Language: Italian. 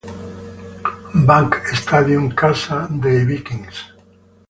Bank Stadium, casa dei Vikings.